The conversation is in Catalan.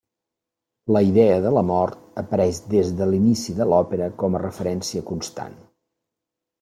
La idea de la mort apareix des de l'inici de l'òpera com a referència constant.